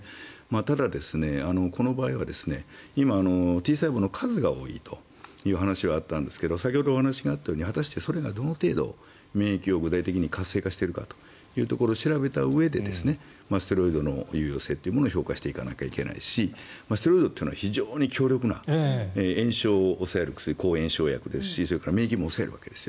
ただ、この場合は今、Ｔ細胞の数が多いという話はあったんですが先ほどお話があったようにそれがどれくらい免疫を具体的に活性化しているかというところを調べたうえでステロイドの有用性というものを評価していかなきゃいけないしステロイドというのは非常に強力な炎症を抑える薬抗炎症薬ですしそれから免疫も抑えるわけです。